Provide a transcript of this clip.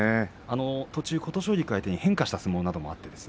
途中、琴奨菊相手に変化をした相撲もありました。